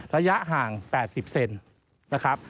ระยะห่าง๘๐เซนต์